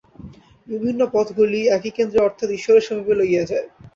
এই বিভিন্ন পথগুলি একই কেন্দ্রে অর্থাৎ ঈশ্বর-সমীপে লইয়া যায়।